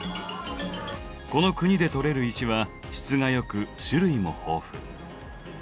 この国で採れる石は質が良く種類も豊富。